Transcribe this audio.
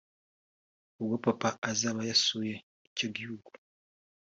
ubwo papa azaba yasuye icyo gihugu